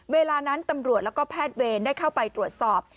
เวลานั้นตำรวจแล้วก็แพทย์เวรได้เข้าไปตรวจสอบ